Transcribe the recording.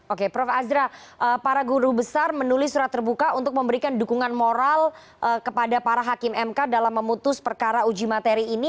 oke prof azra para guru besar menulis surat terbuka untuk memberikan dukungan moral kepada para hakim mk dalam memutus perkara uji materi ini